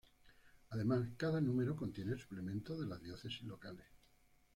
Además cada número contiene suplementos de las diócesis locales.